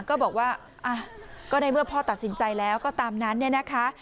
ก็บอกว่าก็ในเมื่อพ่อตัดสินใจแล้วก็ตามนั้นเนี่ยนะคะ